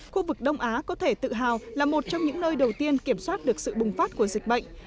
khu vực đông á có thể tự hào là một trong những nơi đầu tiên kiểm soát được sự bùng phát của dịch bệnh